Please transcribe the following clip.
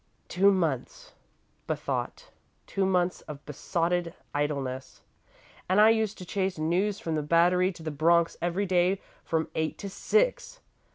"Two months," bethought; "two months of besotted idleness. And I used to chase news from the Battery to the Bronx every day from eight to six!